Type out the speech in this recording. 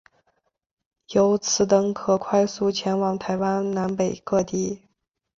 由此等可快速前往台湾南北各地。